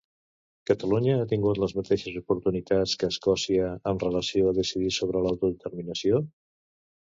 Catalunya ha tingut les mateixes oportunitats que Escòcia amb relació a decidir sobre l'autodeterminació?